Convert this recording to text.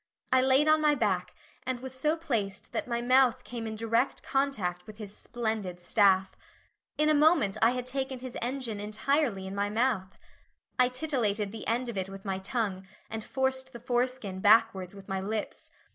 I laid on my back and was so placed that my mouth came in direct contact with his splendid staff. In a moment I had taken his engine entirely in my mouth. I titillated the end of it with my tongue and forced the foreskin backwards with my lips.